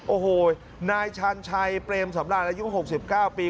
โอ้โหนายชาญชัยเปรมสำราญอายุ๖๙ปี